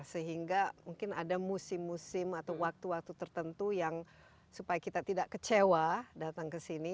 sehingga mungkin ada musim musim atau waktu waktu tertentu yang supaya kita tidak kecewa datang ke sini